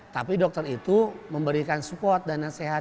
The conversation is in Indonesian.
tapi dokter itu memberikan support dan nasihat